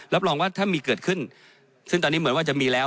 รับรองว่าถ้ามีเกิดขึ้นซึ่งตอนนี้เหมือนว่าจะมีแล้ว